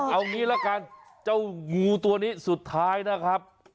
เอางี้ละกันเจ้างูตัวนี้สุดท้ายนะครับ